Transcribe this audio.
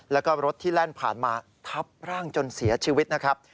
แล้วก็รถที่แล่นผ่านมาทับร่างจนเสียชีวิตนะครับ